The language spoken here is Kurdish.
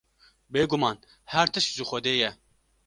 Bêguman her tişt ji Xwedê ye.